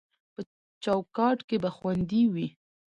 په چوکاټ کې به خوندي وي